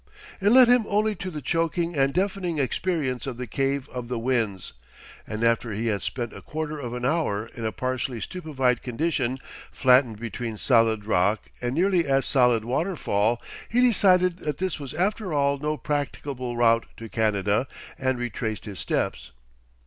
It led him only to the choking and deafening experience of the Cave of the Winds, and after he had spent a quarter of an hour in a partially stupefied condition flattened between solid rock and nearly as solid waterfall, he decided that this was after all no practicable route to Canada and retraced his steps.